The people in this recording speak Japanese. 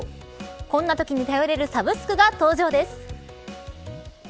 こんなときに頼れるサブスクが登場です。